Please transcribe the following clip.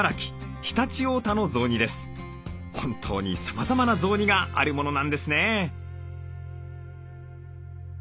本当にさまざまな雑煮があるものなんですね。